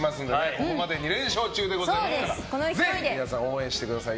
ここまで２連勝中でございますからぜひ皆さん応援してください。